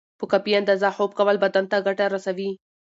په کافی اندازه خوب کول بدن ته ګټه رسوی